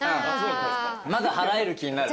まだ払える気になる。